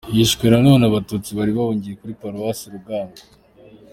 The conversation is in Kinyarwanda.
Hishwe na none Abatutsi bari bahungiye kuri Paruwasi Rugango.